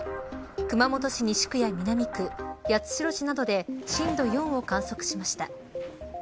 熊本市西区や南区八代市などで震度４を観測しました。